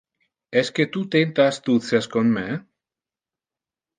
Esque tu tenta astutias con me?